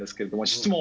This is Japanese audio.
質問。